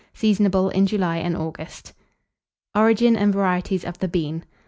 Seasonable in July and August. ORIGIN AND VARIETIES OF THE BEAN.